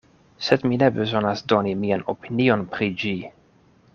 Sed mi ne bezonas doni mian opinion pri ĝi.